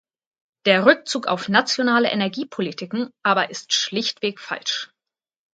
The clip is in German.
Der Rückzug auf nationale Energiepolitiken aber ist schlichtweg falsch.